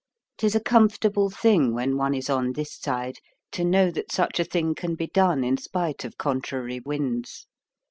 'Tis a comfortable thing, when one is on this side, to know that such a thing can be done in spite of contrary winds.